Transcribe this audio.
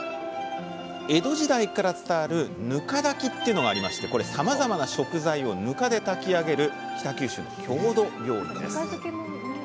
江戸時代から伝わる「ぬか炊き」っていうのがありましてこれさまざまな食材をぬかで炊き上げる北九州の郷土料理です。